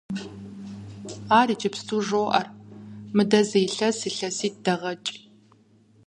Ар иджыпсту жоӀэр, мыдэ зы илъэс-илъэситӀ дэгъэкӀ.